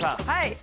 はい。